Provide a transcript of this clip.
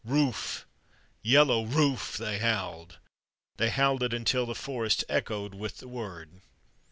"Rufe! Yellow Rufe!" they howled. They howled it until the forest echoed with the word.